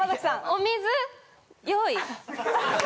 お水用意！